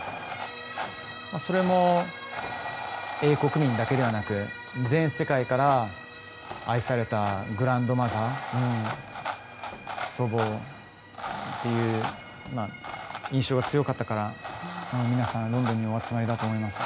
それも英国民だけではなく全世界から愛されたグランドマザー祖母という印象が強かったから皆さん、ロンドンにお集まりだと思います。